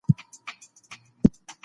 زه غواړم چي یو لوی لیکوال سم.